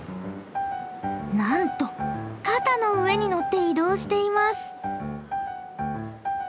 なんと肩の上に乗って移動しています！